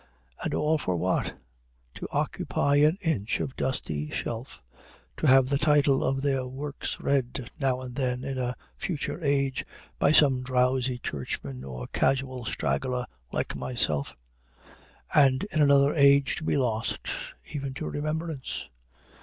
And all for what? to occupy an inch of dusty shelf to have the title of their works read now and then in a future age, by some drowsy churchman or casual straggler like myself; and in another age to be lost, even to remembrance.